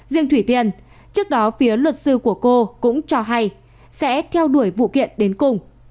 riêng thủy tiên trước đó phía luật sư của cô cũng cho hay sẽ theo đuổi vụ kiện đến cùng